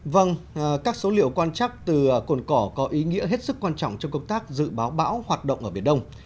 vâng các số liệu quan chắc từ cồn cỏ có ý nghĩa hết sức quan trọng trong công tác dự báo bão hoạt động ở biển đông